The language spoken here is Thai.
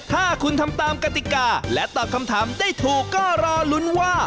ถ้าคุณทำตามกติกาและตอบคำถามได้ถูกก็รอลุ้นว่า